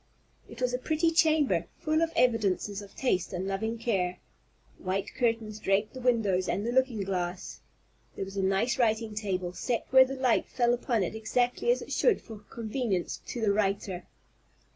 It was a pretty chamber, full of evidences of taste and loving care. White curtains draped the windows and the looking glass. There was a nice writing table, set where the light fell upon it exactly as it should for convenience to the writer.